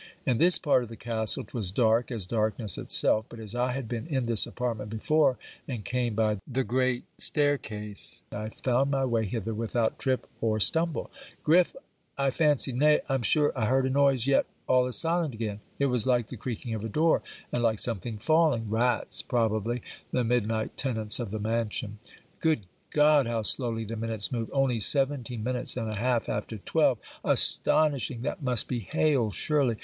In this part of the castle 'twas dark, as darkness itself; but as I had been in this apartment before, and came by the great stair case, I found my way hither without trip or stumble. Griff I fancied, Nay, I'm sure, I heard a noise! yet, all is silent again. It was like the creaking of a door, and like something falling. Rat's probably; the midnight tenants of the mansion. Good God, how slowly the minutes move! only seventeen minutes and a half after twelve! Astonishing! that must be hail surely!